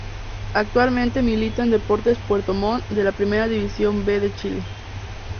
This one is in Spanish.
Actualmente milita en Deportes Puerto Montt de la Primera División B de Chile.